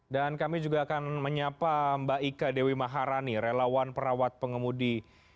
dan kami juga akan menyapa mbak ika dewi maharani relawan perawat pengemudi